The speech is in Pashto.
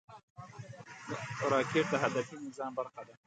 راکټ د هدفي نظام برخه ده